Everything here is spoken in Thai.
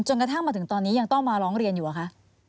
กระทั่งมาถึงตอนนี้ยังต้องมาร้องเรียนอยู่อะคะ